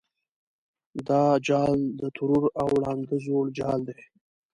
دا جال د ترور او ړانده زوړ جال دی.